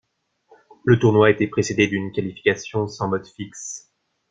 Le tournoi était précédé d'une qualification sans mode fixe.